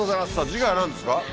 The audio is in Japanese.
次回は何ですか？